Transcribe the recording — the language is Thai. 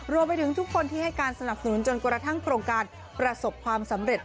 รวมไปถึงทุกคนที่ให้การสนับสนุนจนกระทั่งโครงการประสบความสำเร็จ